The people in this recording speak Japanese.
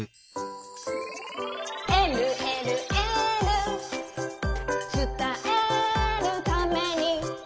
「えるえるエール」「つたえるために」